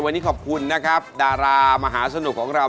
วันนี้ขอบคุณนะครับดารามหาสนุกของเรา